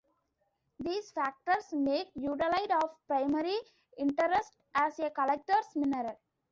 These factors make eudialyte of primary interest as a collector's mineral.